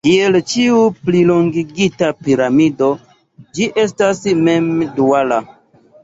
Kiel ĉiu plilongigita piramido, ĝi estas mem-duala.